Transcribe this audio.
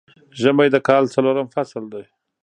ژمی د کال څلورم فصل دی